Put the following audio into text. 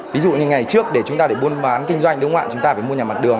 ví dụ như ngày trước để chúng ta để buôn bán kinh doanh đúng không ạ chúng ta phải mua nhà mặt đường